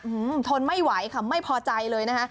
หือทนไม่ไหวถนไม่พอใจเลยนะฮะ